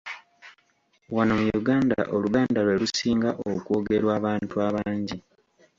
Wano mu Uganda Oluganda lwe lusinga okwogerwa abantu abangi.